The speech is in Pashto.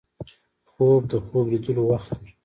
خوب د خوب لیدلو وخت دی